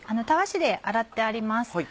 たわしで洗ってあります。